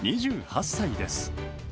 ２８歳です。